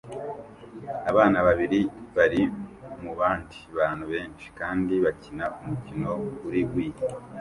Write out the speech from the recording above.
Abana babiri bari mubandi bantu benshi kandi bakina umukino kuri Wii